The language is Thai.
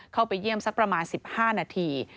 เข้าไปเยี่ยมสักประมาณ๑๕นาที